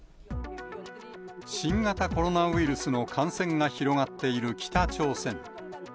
新型コロナウイルスの感染が広がっている北朝鮮。